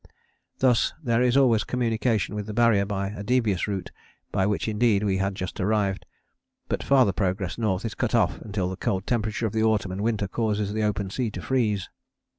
Thus there is always communication with the Barrier by a devious route by which indeed we had just arrived, but farther progress north is cut off until the cold temperature of the autumn and winter causes the open sea to freeze.